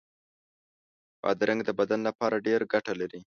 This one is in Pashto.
بادرنګ د بدن لپاره ډېره ګټه لري.